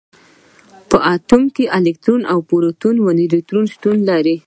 په اتوم کې الکترون او پروټون او نیوټرون شتون لري.